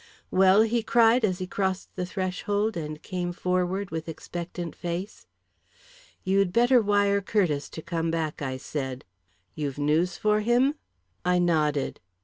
"Well?" he cried, as he crossed the threshold, and came forward with expectant face. "You'd better wire Curtiss to come back," I said. "You've news for him?" I nodded.